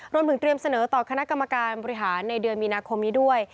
รวมถึงเตรียมเสนอต่อคณะกรรมการบริหารในเดือนมีนาคมนี้ด้วย